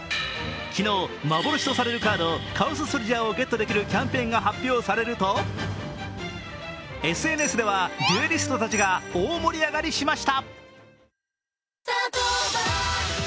昨日、幻とされるカードゲットできるキャンペーンが発表されるとＳＮＳではデュエリストたちが大盛り上がりしました。